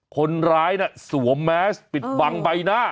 คนร้ายน่ะสวมแมสปิดบังไปนะ